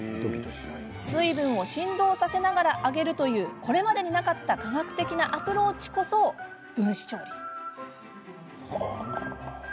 水分を振動させながら揚げるという、これまでになかった科学的なアプローチこそ分子調理。